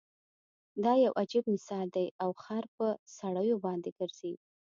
دا يو عجیب مثال دی او خر په سړیو باندې ګرځي.